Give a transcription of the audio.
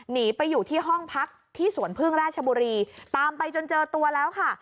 หนีไปอยู่ที่ห้องพักที่สวนพึ่งราชบุรีตามไปจนเจอตัวแล้วค่ะ